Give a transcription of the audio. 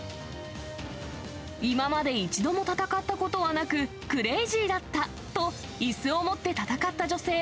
今まで一度も戦ったことはなく、クレイジーだったと、いすを持って戦った女性。